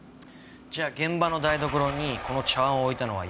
じゃあ現場の台所にこの茶碗を置いたのは山路さんだ。